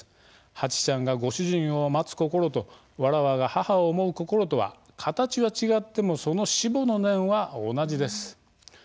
ハチちゃんが、ご主人を待つ心とわらわが母を思う心とは形は違ってもその思慕の念は同じです。